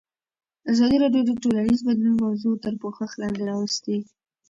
ازادي راډیو د ټولنیز بدلون موضوع تر پوښښ لاندې راوستې.